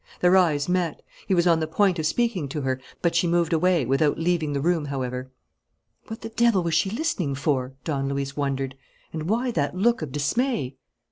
Their eyes met. He was on the point of speaking to her, but she moved away, without leaving the room, however. "What the devil was she listening for?" Don Luis wondered. "And why that look of dismay?"